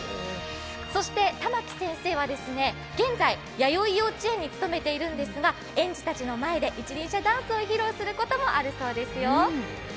そして珠暉先生は現在やよい幼稚園に勤めているんですが園児たちの前で一輪車ダンスを披露することもあるそうですよ。